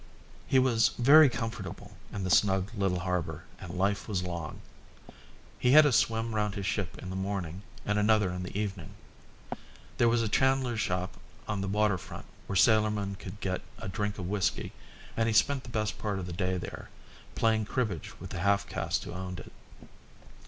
He was very comfortable in the snug little harbour and life was long. He had a swim round his ship in the morning and another in the evening. There was a chandler's shop on the water front where sailormen could get a drink of whisky, and he spent the best part of the day there, playing cribbage with the half caste who owned it.